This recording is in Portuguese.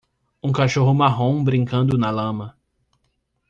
Um cachorro marrom brincando na lama.